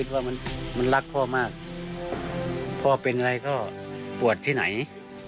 มันมันรักพ่อมากพ่อเป็นไรก็ปวดที่ไหน